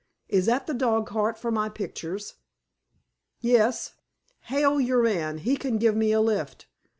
Is that the dogcart with my pictures?" "Yes." "Hail your man. He can give me a lift."